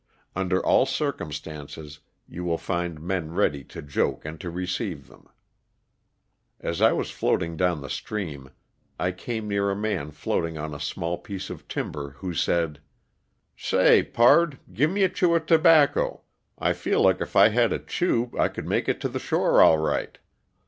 Under all circumstances you will find men ready to joke and to receive them. As I was float ing down the stream I came near a man floating on a small piece of timber, who said: *' Say, Pard, give me a chew of tobacco, I feel like if I had a chew I could make to the shore all right."